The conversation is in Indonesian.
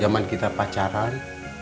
zaman kita pacaran